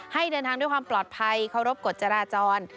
ให้เดินทางด้วยความปลอดภัยเคารพกฎจราจร